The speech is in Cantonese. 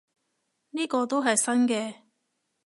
呢個都係新嘅